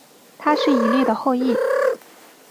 他是以利的后裔。